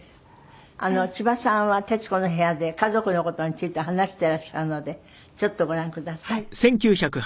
千葉さんは『徹子の部屋』で家族の事について話していらっしゃるのでちょっとご覧ください。